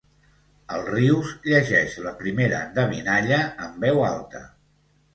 El Rius llegeix la primera endevinalla en veu alta.